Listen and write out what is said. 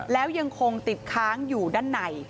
แล้วยังคงติดค้างอยู่ด้านใน